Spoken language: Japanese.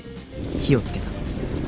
火をつけた。